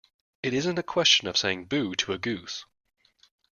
It isn't a question of saying 'boo' to a goose.